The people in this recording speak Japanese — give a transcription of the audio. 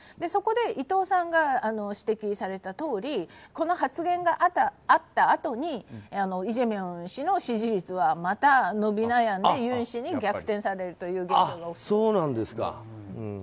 そこで伊藤さんが指摘されたとおりこの発言があったあとにイ・ジェミョン氏の支持率はまた伸び悩んでユン氏に逆転されるという現象が起きています。